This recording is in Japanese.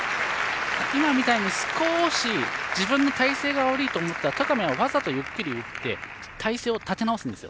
今みたいに少し自分の体勢が悪いと思ったら戸上は、わざとゆっくり打って体勢を立て直すんですよ。